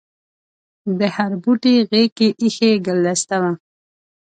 د هر بوټي غېږ کې ایښي ګلدسته وه.